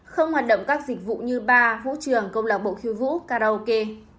không hoạt động các dịch vụ như bar vũ trường công lạc bộ khiêu vũ karaoke